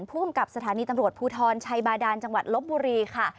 ภูมิกับสถานีตำรวจภูทรชัยบาดานจังหวัดลบบุรีค่ะ